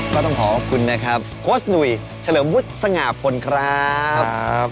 ก็ต้องขอขอบคุณนะครับโค้ชหนุ่ยเฉลิมวุฒิสง่าพลครับ